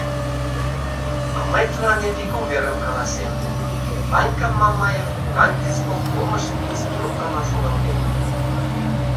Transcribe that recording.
А мый тыланет ик уверым каласем: Ванькам Мамаев кантисполкомыш инструкторлан шогалтен.